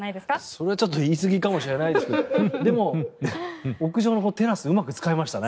それは、ちょっと言い過ぎかもしれないですけどでも、屋上のテラスうまく使いましたね。